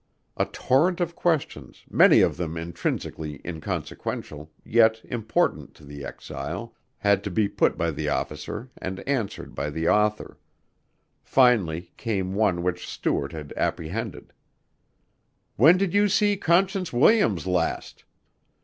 A torrent of questions, many of them intrinsically inconsequential yet important to the exile, had to be put by the officer and answered by the author. Finally came one which Stuart had apprehended. "When did you see Conscience Williams last?